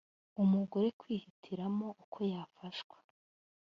umugore kwihitiramo ukoyafashwa